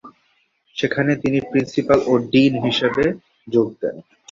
সেখানে তিনি প্রিন্সিপাল ও ডিন হিসেবে হিসেবে যোগ দেন।